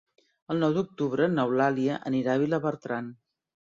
El nou d'octubre n'Eulàlia anirà a Vilabertran.